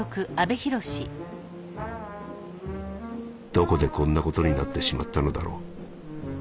「どこでこんなことになってしまったのだろう。